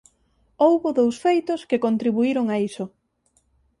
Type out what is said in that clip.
Houbo dous feitos que contribuíron a iso.